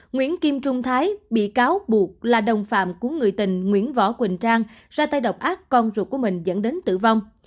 nguyễn kim trung thái bị cáo buộc là đồng phạm của người tình nguyễn võ quỳnh trang ra tay độc ác con ruột của mình dẫn đến tử vong